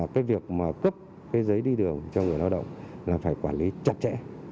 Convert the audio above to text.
cái việc cấp giấy đi đường cho người lao động là phải quản lý chặt chẽ